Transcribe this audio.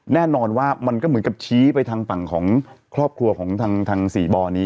แน่นอนว่ามันก็เหมือนกับชี้ไปทางฝั่งของครอบครัวของทางสี่บ่อนี้